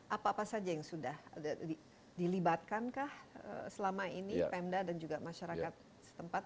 apa apa saja yang sudah dilibatkankah selama ini pemda dan juga masyarakat setempat